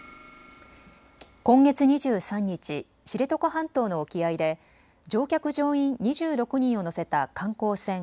今月２３日、知床半島の沖合で乗客・乗員２６人を乗せた観光船